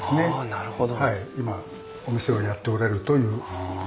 なるほど。